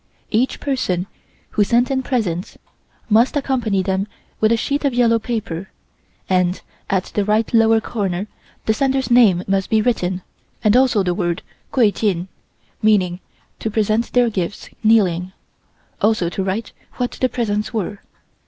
Each person who sent in presents must accompany them with a sheet of yellow paper, and at the right lower corner the sender's name must be written and also the word Kuai Jin, meaning to present their gifts kneeling, also to write what the presents were.